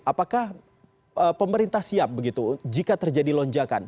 apakah pemerintah siap begitu jika terjadi lonjakan